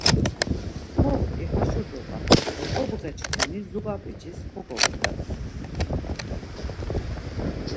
Moxti, haşo dop̌at, obğe çkuni zuğap̌icis koǩobdgat!